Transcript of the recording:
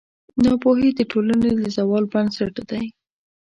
ناپوهي د ټولنې د زوال بنسټ دی.